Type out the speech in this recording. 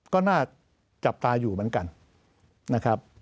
ก็น่าจับตาอยู่เหมือนกัน